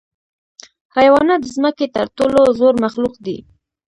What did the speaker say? حیوانات د ځمکې تر ټولو زوړ مخلوق دی.